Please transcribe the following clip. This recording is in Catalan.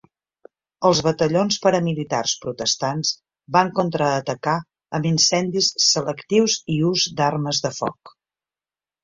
Els batallons paramilitars protestants van contraatacar amb incendis selectius i ús d'armes de foc.